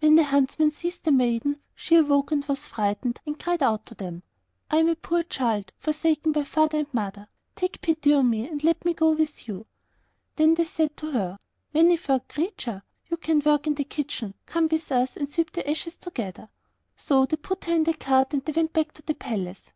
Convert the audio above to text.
When the huntsmen seized the maiden, she awoke and was frightened, and cried out to them, 'I am a poor child, forsaken by father and mother; take pity on me, and let me go with you.' Then they said to her, 'Many furred Creature, you can work in the kitchen; come with us and sweep the ashes together.' So they put her in the cart and they went back to the palace.